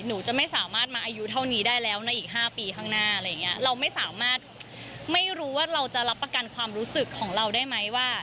หนูจะไม่สามารถมาอายุเท่านี้ได้แล้วในอีกห้าปีข้างหน้าอะไรอย่างเงี้ยเราไม่สามารถไม่รู้ว่าเราจะรับประกันความรู้สึกของเราได้ไหมว่า